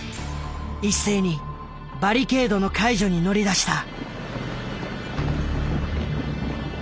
一斉にバリケードの解除に乗り出した。